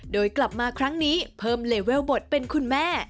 โดยกลับมาครั้งนี้เพิ่มเลเวลบทเป็นคุณแม่